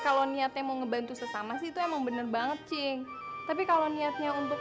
kalau niatnya mau ngebantu sesama situ emang bener banget cing tapi kalau niatnya untuk